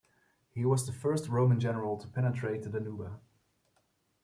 He was the first Roman general to penetrate to the Danube.